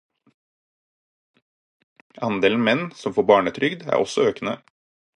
Andelen menn som får barnetrygd, er også økende.